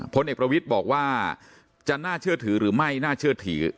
พลเอกประวิทย์บอกว่าจะน่าเชื่อถือหรือไม่น่าเชื่อถือ